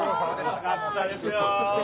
よかったですよ。